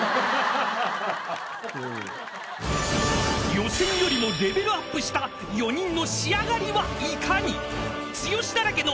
［予選よりもレベルアップした４人の仕上がりはいかに］